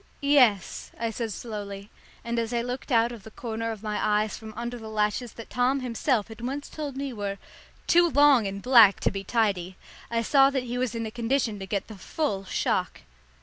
"Yes," I said slowly, and as I looked out of the corner of my eyes from under the lashes that Tom himself had once told me were "too long and black to be tidy," I saw that he was in a condition to get the full shock.